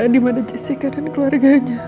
di mana jessica dan keluarganya